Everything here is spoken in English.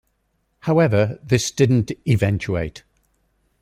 However this didn't eventuate.